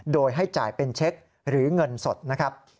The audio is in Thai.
โดยให้จ่ายเป็นเช็คหรือเงินสดนะครับ